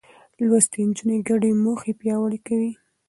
لوستې نجونې ګډې موخې پياوړې کوي.